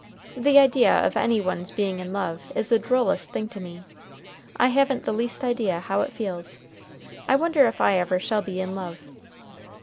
The idea of any one's being in love is the drollest thing to me. I haven't the least idea how it feels. I wonder if I ever shall be in love!"